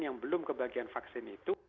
yang belum kebagian vaksin itu